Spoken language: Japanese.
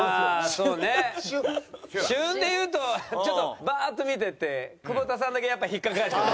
旬でいうとちょっとバーッと見てって久保田さんだけやっぱ引っかかる。